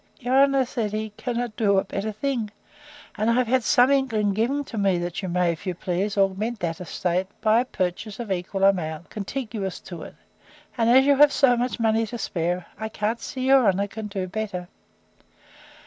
Your honour, said he, cannot do a better thing; and I have had some inkling given me, that you may, if you please, augment that estate, by a purchase, of equal amount, contiguous to it; and as you have so much money to spare, I can't see your honour can do better.